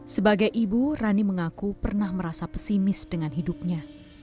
sebagai ibu rani mengaku pernah merasa pesimis dengan hidupnya